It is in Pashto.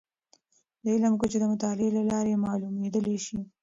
د علم کچې د مطالعې له لارې معلومیدلی شي.